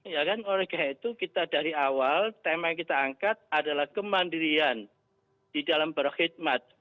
ya kan oleh karena itu kita dari awal tema yang kita angkat adalah kemandirian di dalam berkhidmat